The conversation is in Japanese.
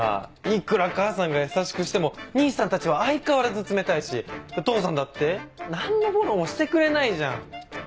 いくら母さんが優しくしても兄さんたちは相変わらず冷たいし父さんだって何のフォローもしてくれないじゃん。